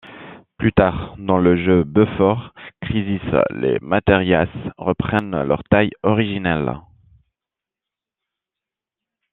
Plus tard, dans le jeu Before Crisis les matérias reprennent leur taille originelle.